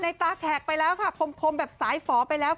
ตาแขกไปแล้วค่ะคมแบบสายฝอไปแล้ว